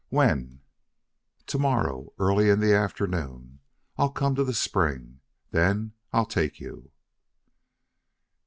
"When?" "To morrow. Early in the afternoon I'll come to the spring. Then I'll take you."